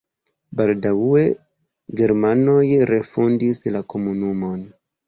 Baldaŭe germanoj refondis la komunumon.